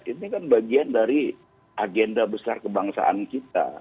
ini kan bagian dari agenda besar kebangsaan kita